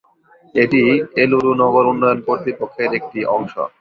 এটি এলুরু নগর উন্নয়ন কর্তৃপক্ষের একটি অংশ।